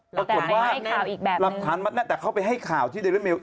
ปรากฏว่ารับฐานมาตั้งแต่เข้าไปให้ข่าวที่ได้เรียนเมล